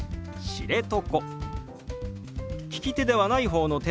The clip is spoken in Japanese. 「知床」。